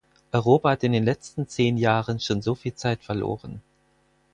Europa hat in den letzten zehn Jahren schon so viel Zeit verloren.